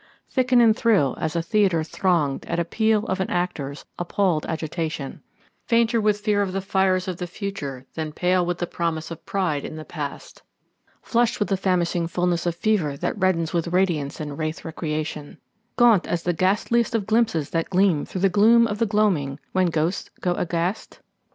Thicken and thrill as a theatre thronged at appeal of an actor's appalled agitation, Fainter with fear of the fires of the future than pale with the promise of pride in the past; Flushed with the famishing fullness of fever that reddens with radiance and rathe* recreation, [speedy] Gaunt as the ghastliest of glimpses that gleam through the gloom of the gloaming when ghosts go aghast?